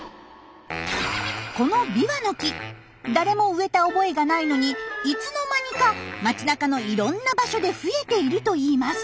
このビワの木誰も植えた覚えがないのにいつの間にか街なかのいろんな場所で増えているといいます。